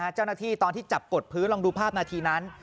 เจ้าหน้าที่ตอนที่จับกดพื้นลองดูภาพนาทีนั้น